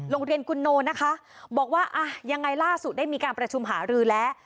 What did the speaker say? โรงเรียนกุโนนะคะบอกว่าอ่ะยังไงล่าสุดได้มีการประชุมหารือแล้ว